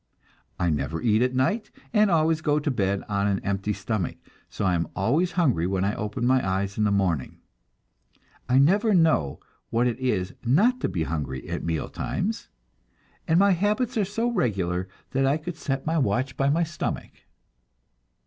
I never eat at night, and always go to bed on an empty stomach, so I am always hungry when I open my eyes in the morning. I never know what it is not to be hungry at meal times, and my habits are so regular that I could set my watch by my stomach.